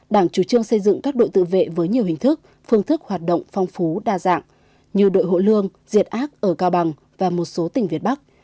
đảng chủ trương xây dựng các đội tự vệ với nhiều hình thức phương thức hoạt động phong phú đa dạng như đội hộ lương diệt ác ở cao bằng và một số tỉnh việt bắc